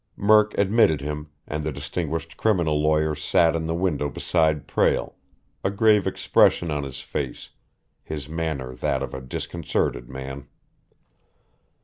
Murk admitted him, and the distinguished criminal lawyer sat in the window beside Prale, a grave expression on his face, his manner that of a disconcerted man.